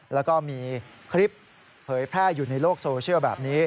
แล้วก็มีคลิปเผยแพร่อยู่ในโลกโซเชียลแบบนี้